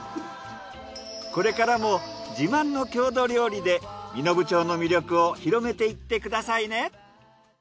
これからも自慢の郷土料理で身延町の魅力を広めていってくださいね。